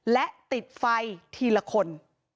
และติดไฟทีละคน